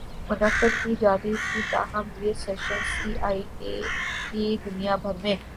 منعقد کی جاتی تھیں تاہم یہ سیشنز سی آئی اے کی دنیا بھر می